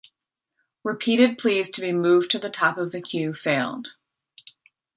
Repeated pleas to be moved to the top of the queue failed.